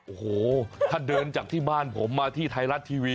โอ้โหถ้าเดินจากที่บ้านผมมาที่ไทยรัฐทีวี